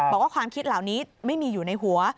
บอกว่าความคิดเหล่านี้ไม่มีอยู่ในหัว